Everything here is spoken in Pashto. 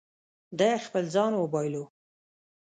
ده خپل ځان وبایلو.